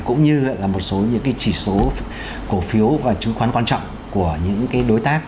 cũng như là một số những chỉ số cổ phiếu và chứng khoán quan trọng của những đối tác